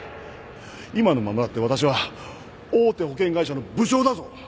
今のままだって私は大手保険会社の部長だぞ。